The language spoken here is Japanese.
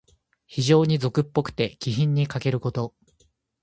非情に俗っぽくて、気品にかけること。